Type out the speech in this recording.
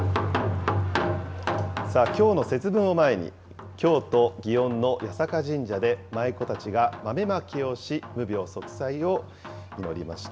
きょうの節分を前に、京都・祇園の八坂神社で、舞妓たちが豆まきをし、無病息災を祈りました。